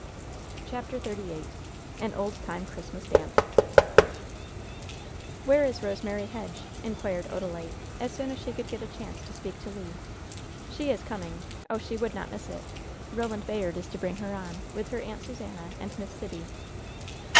CHAPTER XXXVIII AN OLD TIME CHRISTMAS DANCE "Where is Rosemary Hedge?" inquired Odalite, as soon as she could get a chance to speak to Le. "She is coming. Oh, she would not miss it! Roland Bayard is to bring her on, with her Aunt Susannah and Miss Sibby.